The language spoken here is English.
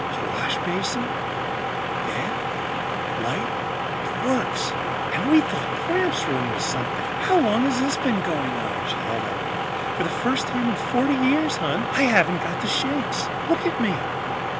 Washbasin, bed, light the works. And we thought Gramps' room was something. How long has this been going on?" She held out her hand. "For the first time in forty years, hon, I haven't got the shakes look at me!"